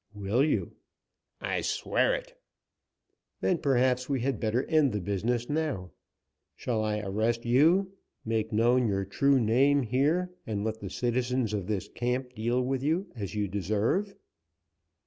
"Will you?" "I swear it!" "Then perhaps we had better end the business now. Shall I arrest you, make known your true name here, and let the citizens of this camp deal with you as you deserve?"